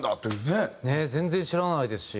ねえ全然知らないですし。